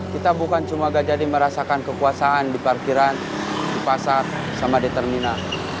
kita bukan cuma gajahdi merasakan kekuasaan di parkiran di pasar sama di terminal